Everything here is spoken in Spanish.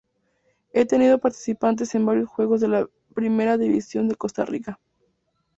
Ha tenido participación en varios juegos de la Primera división de Costa Rica.